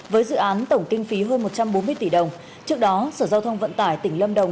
với dự án tổng kinh phí hơn một trăm bốn mươi tỷ đồng trước đó sở giao thông vận tải tỉnh lâm đồng